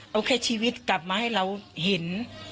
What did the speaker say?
เอาแค่ชีวิตกลับมาให้เราเห็น